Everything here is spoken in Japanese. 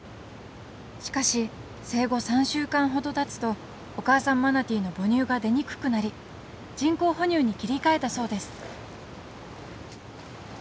しかし生後３週間ほどたつとお母さんマナティーの母乳が出にくくなり人工哺乳に切り替えたそうです